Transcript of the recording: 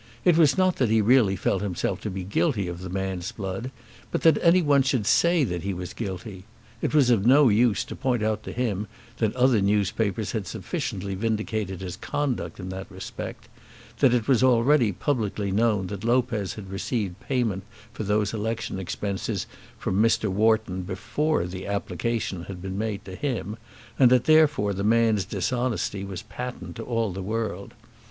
It was not that he really felt himself to be guilty of the man's blood, but that any one should say that he was guilty. It was of no use to point out to him that other newspapers had sufficiently vindicated his conduct in that respect, that it was already publicly known that Lopez had received payment for those election expenses from Mr. Wharton before the application had been made to him, and that therefore the man's dishonesty was patent to all the world.